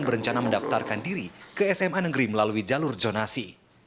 berencana mendaftarkan diri ke sma negeri melalui jalur zonasi